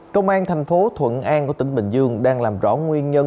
công an thành phố thuận an của tỉnh bình dương đang làm rõ nguyên nhân